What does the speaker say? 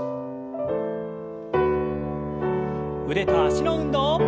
腕と脚の運動。